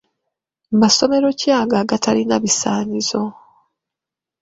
Masomero ki ago agatalina bisaanyizo?